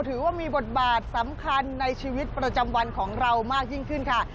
ถือว่ามีบทบาทสำคัญในชีวิตประจำวันของเรามากยิ่งขึ้นค่ะ